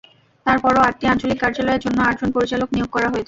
তার পরও আটটি আঞ্চলিক কার্যালয়ের জন্য আটজন পরিচালক নিয়োগ করা হয়েছে।